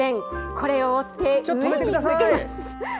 これを折って、上に向けます。